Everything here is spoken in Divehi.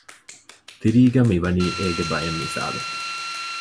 ތިރީގައި މި ވަނީ އޭގެ ބައެއް މިސާލު